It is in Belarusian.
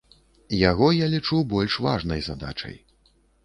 Яго я лічу больш важнай задачай.